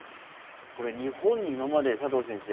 これ日本に今まで佐藤先生